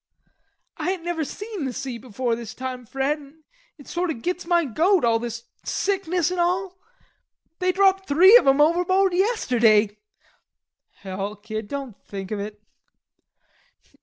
"I ain't never seen the sea before this time, Fred, an' it sort o' gits my goat, all this sickness an' all.... They dropped three of 'em overboard yesterday." "Hell, kid, don't think of it."